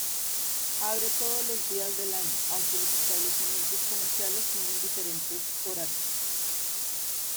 Abre todos los días del año, aunque los establecimientos comerciales tienen diferentes horarios.